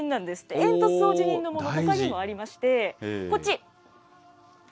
煙突掃除人のもの、ほかにもありまして、こっち。